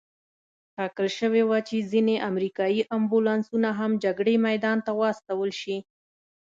ټاکل شوې وه چې ځینې امریکایي امبولانسونه هم جګړې میدان ته واستول شي.